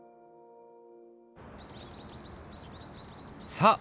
さあ！